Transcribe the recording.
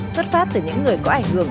xuất phát từ những người có ảnh hưởng